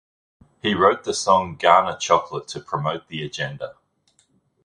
He wrote the song Ghana Chocolate to promote the agenda.